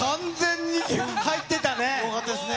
すごかったですね。